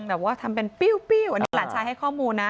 แบบว่าทำเป็นปิ้วอันนี้หลานชายให้ข้อมูลนะ